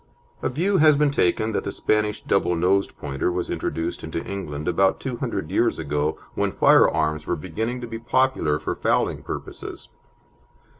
A view has been taken that the Spanish double nosed Pointer was introduced into England about two hundred years ago, when fire arms were beginning to be popular for fowling purposes.